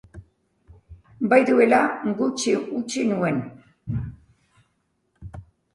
Bai, duela gutxi utzi nuen.